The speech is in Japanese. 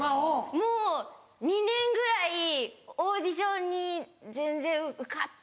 もう２年ぐらいオーディションに全然受かっていなく。